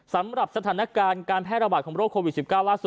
สำหรับสถานการณ์การแพร่ระบาดของโรคโควิด๑๙ล่าสุด